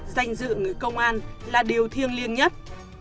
dành dự người công an là điều thiêng liên nhất